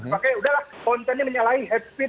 pakai udahlah kontennya menyalahi head speed